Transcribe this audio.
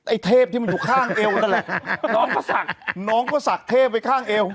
เทพที่มันอยู่ข้างเอวนั่นแหละน้องก็ศักดิ์น้องก็ศักดิ์เทพไว้ข้างเอว